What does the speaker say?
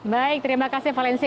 baik terima kasih valencia